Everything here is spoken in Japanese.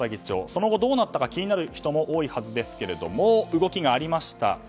その後どうなったか気になる人も多いはずですが動きがありました。